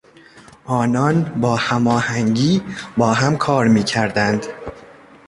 آنان با هماهنگی با هم کار میکردند.